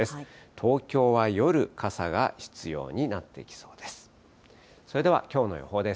東京は夜、傘が必要になってきそうです。